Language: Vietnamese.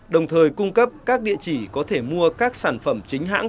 đồng thời cung cấp các địa chỉ có thể mua các sản phẩm chính hãng